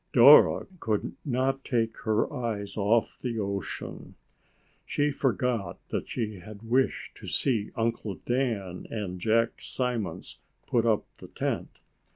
Dora could not take her eyes off the ocean. She forgot that she had wished to see Uncle Dan and Jack Simmons put up the tent.